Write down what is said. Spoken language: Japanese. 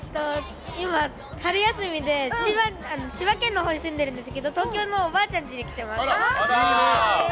今、春休みで千葉県のほうに住んでるんですけど東京のおばあちゃんちに来てます。